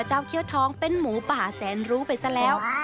แต่เจ้าเคี้ยวทองเป็นหมูป่าแสนรู้ไปซะแล้ว